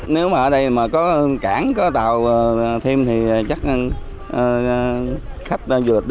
nếu mà ở đây có cảng có tàu thêm thì chắc khách